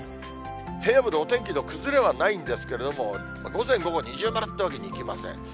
平野部でお天気の崩れはないんですけれども、午前、午後、二重丸ってわけにいきません。